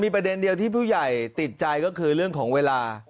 ประเด็นเดียวที่ผู้ใหญ่ติดใจก็คือเรื่องของเวลา